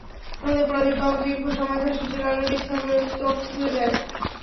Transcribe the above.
রোদে পোড়া ত্বকদীর্ঘ সময় ধরে সূর্যের আলোর নিচে থাকলে রোদে ত্বক পুড়ে যায়।